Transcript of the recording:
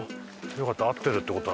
よかった合ってるって事だね